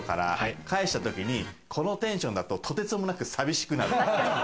帰した時にこのテンションだと、とてつもなく寂しくなる。